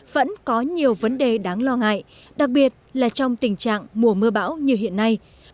vẫn có nhiều vấn đề đáng lo ngại đặc biệt là trong tình trạng mùa mưa bão như hiện nay